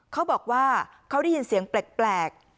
เขาบอกว่าเขาได้ยินเสียงแปลก